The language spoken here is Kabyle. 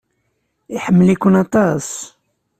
Iḥemmel-iken aṭas.